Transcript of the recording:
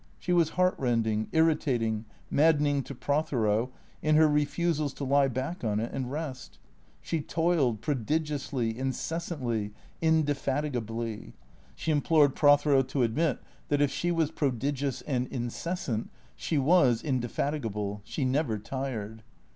She was heartrending, irritating, maddening to Prothero in her refusals to lie back on it and rest. She toiled prodigiously, incessantly, indefatigably. She implored Prothero to admit that if she was prodigious and incessant, she was inde fatigable, she never tired.